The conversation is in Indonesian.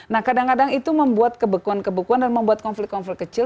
nah kadang kadang itu membuat kebekuan kebekuan dan membuat konflik konflik kecil